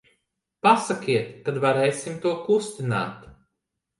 Pasakiet, kad varēsim to kustināt.